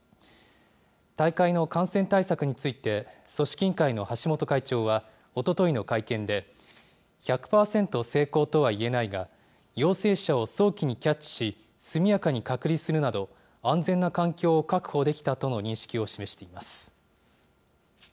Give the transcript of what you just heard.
大会の感染対策について、組織委員会の橋本会長はおとといの会見で、１００％成功とはいえないが、陽性者を早期にキャッチし、速やかに隔離するなど、安全な環境を確保できたとの認識を示しています。